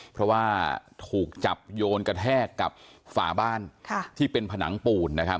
เพราะว่าถูกจับโยนกระแทกกับฝาบ้านที่เป็นผนังปูนนะครับ